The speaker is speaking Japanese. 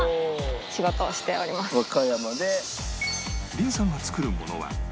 凜さんが作るものは